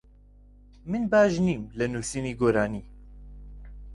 من باش نیم لە نووسینی گۆرانی.